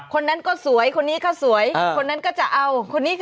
คนนั้นก็สวยคนนี้ก็สวยคนนั้นก็จะเอา